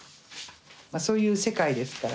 そういう世界ですから。